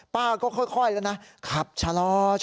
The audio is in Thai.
ป้าก็ค่อยแล้วนะขับชะลอ